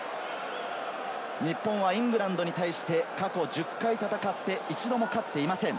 日本はイングランドに対して過去１０回戦って一度も勝っていません。